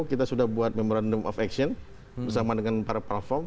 kita sudah buat memorandum of action bersama dengan para platform